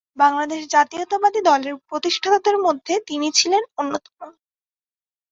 বাংলাদেশ জাতীয়তাবাদী দলের প্রতিষ্ঠাতাদের মধ্যে তিনি ছিলেন অন্যতম।